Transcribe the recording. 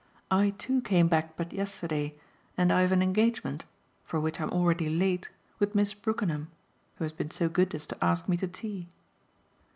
I too came back but yesterday and I've an engagement for which I'm already late with Miss Brookenham, who has been so good as to ask me to tea."